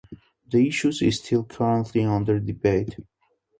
The issue is still currently under debate.